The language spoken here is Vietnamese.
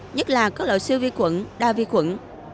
nhất là các loại siêu vi khuẩn đa vi khuẩn